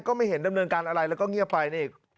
ไม่เห็นดำเนินการอะไรแล้วก็เงียบไปนี่